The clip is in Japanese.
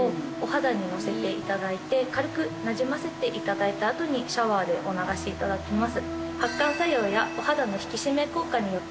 なじませていただいた後にシャワーでお流しいただきます。